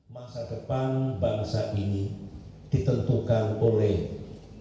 masa depan bangsa ini ditentukan oleh pemerintah